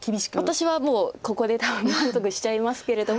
私はもうここで多分満足しちゃいますけれども。